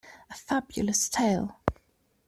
A Fabulous tale.